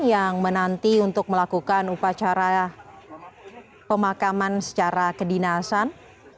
yang menanti untuk melakukan upacara pemakaman secara kedinasan